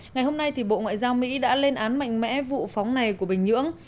ngày hôm nay bộ ngoại giao mỹ đã lên án mạnh mẽ vụ phóng này của bình nhưỡng